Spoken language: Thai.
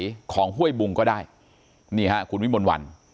ทานน้ำไหลของห้วยบุงก็ได้นี่ฮะคุณวิมวลวัน